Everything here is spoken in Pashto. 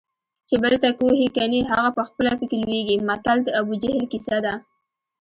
چې بل ته کوهي کني هغه پخپله پکې لویږي متل د ابوجهل کیسه ده